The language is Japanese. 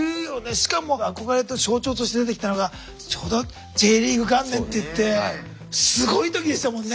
しかも憧れの象徴として出てきたのがちょうどＪリーグ元年っていってすごい時でしたもんね。